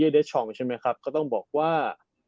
นั่นแหละคือต้องบอกว่า